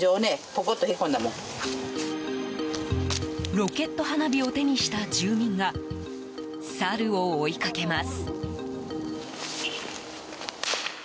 ロケット花火を手にした住民がサルを追いかけます。